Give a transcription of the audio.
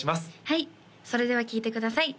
はいそれでは聴いてください